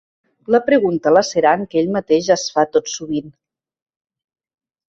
La pregunta lacerant que ell mateix es fa tot sovint.